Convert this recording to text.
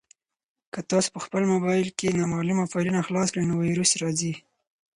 که تاسي په خپل موبایل کې نامعلومه فایلونه خلاص کړئ نو ویروس راځي.